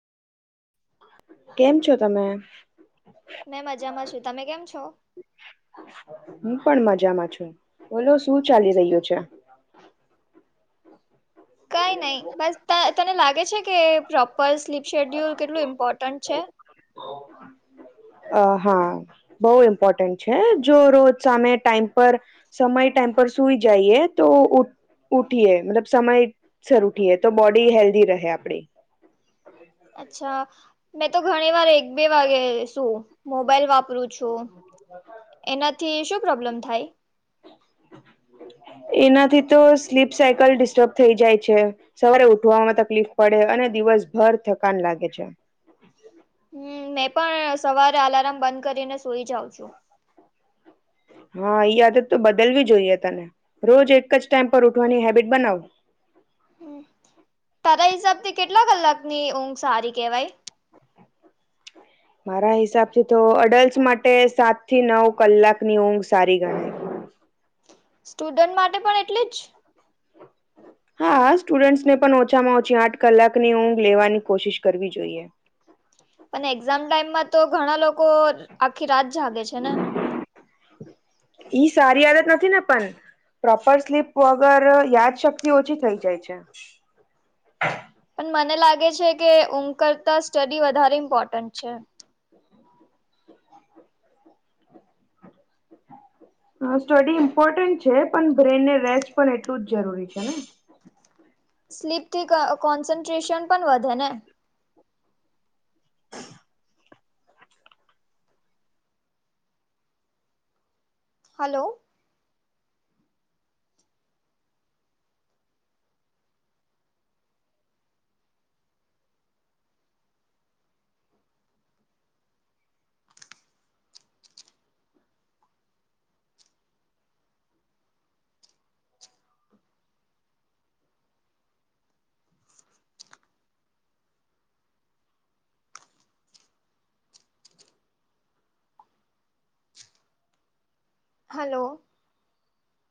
કેમ છો તમે મેં મજામાં છું તમે કેમ છો હું પણ મજામાં છું બોલો શું ચાલી રહ્યો છે કઈ નહી બસ તને લાગે છે કે પ્રોપર સ્લીપ શેડ્યુલ કેટલું ઇમ્પોર્ટન્ટ છે. અ હા બઉ ઇમ્પોર્ટન્ટ છે જો રોજ સામે ટાઈમ પર સમય ટાઈમ પર સુઈ જઈએ તો ઉઠીએ, મતલબ સમયસર ઉઠીએ તો બોડી હેલ્ધી રહે આપડી. અચ્છા મેં તો ઘણી વાર એક બે વાગે સુવ મોબાઈલ વાપ કરુ છું, એનાથી શું પ્રોબ્લેમ થાય? એનાથી તો સ્લીપ સાયકલ ડિસ્ટર્બ થઈ જાય છે. સવારે ઉઠવામાં તકલીફ પડે અને દિવસભર થકાન લાગે છે. હમ્મ, મેં પણ સવારે અલાર્મ બંધ કરીને સુઈ જાઉં છું. હા આદત તો બદલવી જોઈએ તને, રોજ એક જ ટાઈમ પર ઉઠવાની હેબિટ બનાવ. હમ્મ, તારા હિસાબથી કેટલા કલાકની ઊંઘ સારી કેવાય? મારા હિસાબથી તો અડલ્ટ માટે સાત થી નવ કલાકની ઊંઘ સારી ગણાય. સ્ટુડન્ટ માટે પણ એટલી જ? હા, સ્ટુડન્ટસ ને પણ ઓછામાં ઓછી આઠ કલાકની ઊંઘ લેવાની કોશિશ કરવી જોઈએ. પણ એક્ઝામ ટાઈમમાં તો ઘણા લોકો આખી રાત જાગે છે. ને [inaudible] ઈ સારી આદત નથી ને પણ. પ્રોપર સ્લીપ વગર યાદ શક્તિ ઓછી થઈ જાય છે. પણ મને લાગે છે કે, ઊંઘ કરતા સ્ટડી વધારે ઇમ્પોર્ટન્ટ છે. [inaudible] હા, સ્ટડી ઈમ્પોર્ટન્ટ છે, પણ બ્રેન ને રેસ્ટ પણ એટલું જ જરૂરી છે ને. સ્લીપથી ક કોન્સન્ટ્રેશન પણ વધે ને. Hello hello